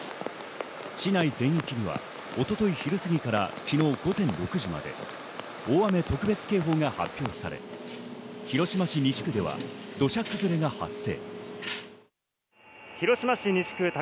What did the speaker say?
市内全域には一昨日、昼すぎから昨日午前６時まで大雨特別警報が発令され、広島市西区では土砂崩れが発生。